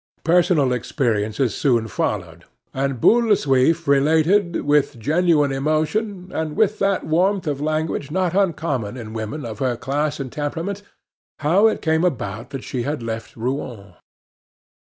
Personal experiences soon followed, and Bottle le Suif related with genuine emotion, and with that warmth of language not uncommon in women of her class and temperament, how it came about that she had left Rouen.